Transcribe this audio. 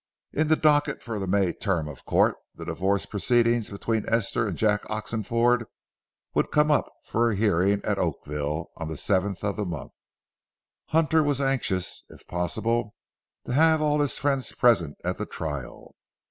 In the docket for the May term of court, the divorce proceedings between Esther and Jack Oxenford would come up for a hearing at Oakville on the seventh of the month. Hunter was anxious, if possible, to have all his friends present at the trial.